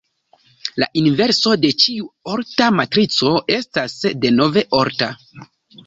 La inverso de ĉiu orta matrico estas denove orta.